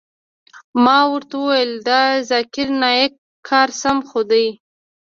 ما ورته وويل د ذاکر نايک کار سم خو دى.